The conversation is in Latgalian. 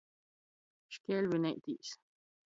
Škeļvineitīs.